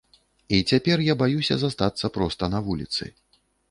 І цяпер я баюся застацца проста на вуліцы.